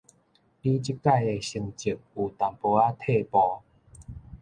你這改的成績有淡薄仔退步